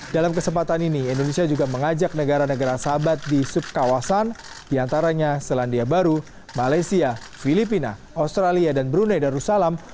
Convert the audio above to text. dalam kesempatan ini indonesia juga mengajak negara negara sahabat di subkawasan diantaranya selandia baru malaysia filipina australia dan brunei darussalam